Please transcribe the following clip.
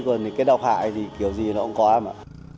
còn thì cái độc hại thì kiểu gì nó cũng có mà